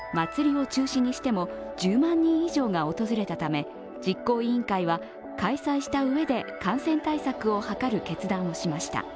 ただ、まつりを中止にしても１０万人以上が訪れたため実行委員会は開催したうえで感染対策を図る決断をしました。